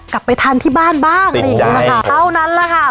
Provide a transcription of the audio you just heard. กลับไปทานที่บ้านบ้างติดใจเท่านั้นแหละค่ะ